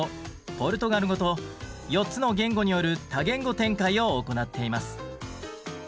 ポルトガル語と４つの言語による多言語展開を行っています。